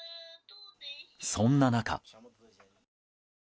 そんな中。